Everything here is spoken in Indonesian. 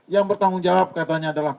yang bertanggung jawab katanya adalah